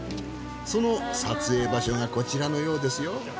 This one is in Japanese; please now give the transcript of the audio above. その撮影場所がこちらのようですよ。